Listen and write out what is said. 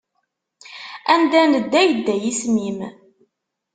Anda nedda yedda yisem-im.